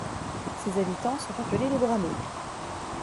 Ses habitants sont appelés les Bramais.